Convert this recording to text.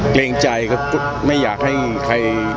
เกรงใจก็ไม่อยากให้ใคร